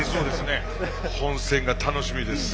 本戦が楽しみですね。